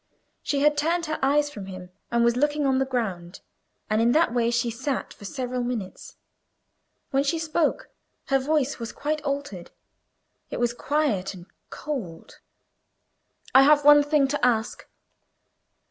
She had turned her eyes from him, and was looking on the ground, and in that way she sat for several minutes. When she spoke, her voice was quite altered,—it was quiet and cold. "I have one thing to ask."